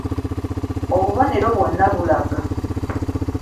Obubonero bwonna bulaga